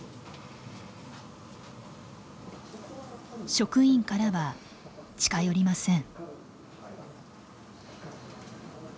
職員からは近寄りません。